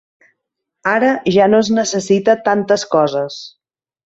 Ara ja no es necessita tantes coses.